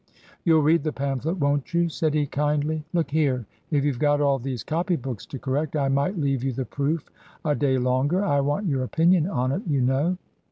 " You'll read the pamphlet, won't you ?" said he, kindly. "Look here! If you've got all these copy books to correct I might leave you the proof a day longer. I want your opinion on it, you know."